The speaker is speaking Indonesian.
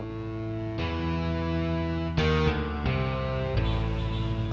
kamu selalu ngeri